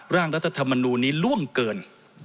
ร่างรัฐธรรมนูลนี้ล่วงเกิน